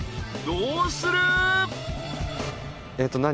どうする？］